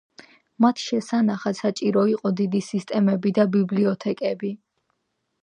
მათ შესანახად საჭირო იყო დიდი სისტემები და ბიბლიოთეკები.